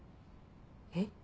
えっ？